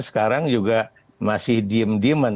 sekarang juga masih diem dieman